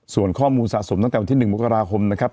ส่วนข้อมูลสะสมตั้งแต่วันที่๑มกราคมนะครับ